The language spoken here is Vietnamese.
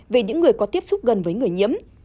về những người có tiếp xúc gần với người nhiễm